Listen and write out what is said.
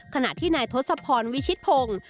ขณะที่นายทศพรวิชิตพงศ์